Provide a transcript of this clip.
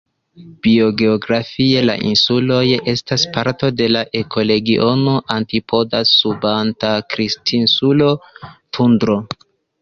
Biogeografie, la insuloj estas parto de la ekoregiono "antipoda-subantarktinsula tundro".